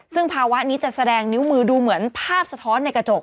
ซึ่งภาวะนี้จะแสดงนิ้วมือดูเหมือนภาพสะท้อนในกระจก